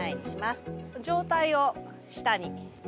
上体を下に。